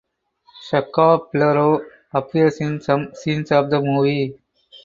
Shkaplerov appears in some scenes of the movie.